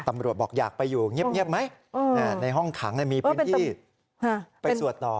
บอกอยากไปอยู่เงียบไหมในห้องขังมีพื้นที่ไปสวดต่อ